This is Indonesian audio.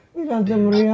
eh kita terus meriah pak